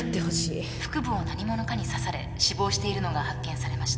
腹部を何者かに刺され死亡しているのが発見されました